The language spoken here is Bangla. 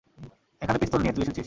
এখানে পিস্তল নিয়ে, তুই এসেছিস।